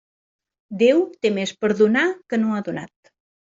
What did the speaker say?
Déu té més per donar, que no ha donat.